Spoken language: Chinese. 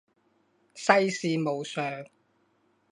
世事无常